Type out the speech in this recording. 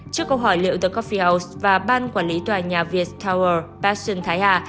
trước câu hỏi liệu the coffee house và ban quản lý tòa nhà việt tower bác xuân thái hà